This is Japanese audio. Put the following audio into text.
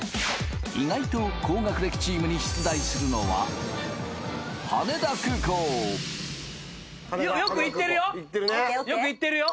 意外と高学歴チームに出題するのはよく行ってるよよく行ってるよ